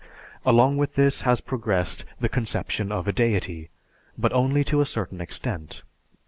Along with this has progressed the conception of a deity, but only to a certain extent.